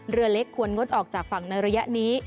เรือเล็กควรงดออกจากฝั่งในระยะนี้